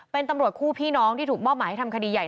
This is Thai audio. เป็นตำรวจคู่พี่น้องที่ถูกมอบหมายให้ทำคดีใหญ่